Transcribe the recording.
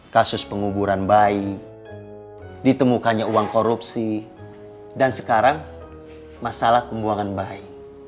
kasus penguburan bayi ditemukannya uang korupsi dan sekarang masalah pembuangan bayi